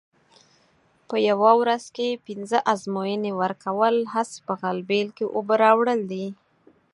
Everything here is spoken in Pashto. په یوه ورځ کې پینځه ازموینې ورکول هسې په غلبېل کې اوبه راوړل دي.